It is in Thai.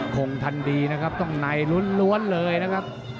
คงทันดีนะครับต้องในล้วนเลยนะครับ